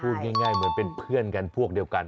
พูดง่ายเหมือนเป็นเพื่อนกันพวกเดียวกัน